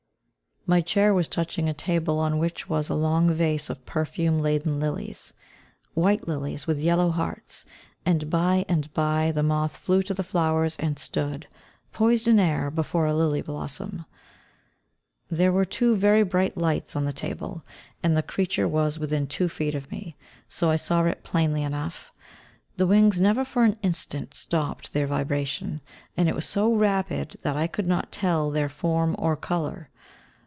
My chair was touching a table on which was a long vase of perfume laden lilies, white lilies with yellow hearts, and by and by the moth flew to the flowers and stood, poised in air, before a lily blossom. There were two very bright lights on the table, and the creature was within two feet of me, so I saw it plainly enough. The wings never for an instant stopped their vibration, and it was so rapid that I could not tell their form or colour.